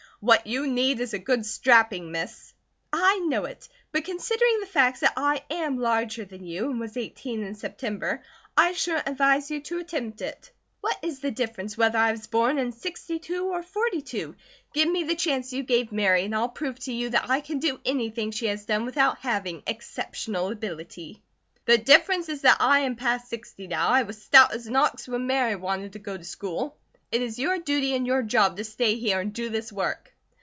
"What you need is a good strapping, Miss." "I know it; but considering the facts that I am larger than you, and was eighteen in September, I shouldn't advise you to attempt it. What is the difference whether I was born in '62 or '42? Give me the chance you gave Mary, and I'll prove to you that I can do anything she has done, without having 'exceptional ability!'" "The difference is that I am past sixty now. I was stout as an ox when Mary wanted to go to school. It is your duty and your job to stay here and do this work."